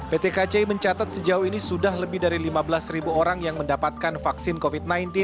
pt kci mencatat sejauh ini sudah lebih dari lima belas ribu orang yang mendapatkan vaksin covid sembilan belas